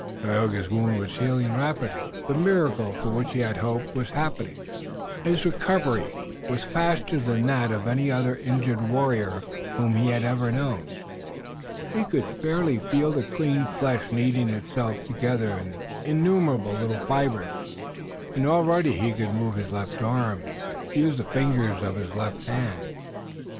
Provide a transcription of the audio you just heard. Tayoga's wound was healing rapidly. The miracle for which he had hoped was happening. His recovery was faster than that of any other injured warrior whom he had ever known. He could fairly feel the clean flesh knitting itself together in innumerable little fibers, and already he could move his left arm, and use the fingers of his left hand.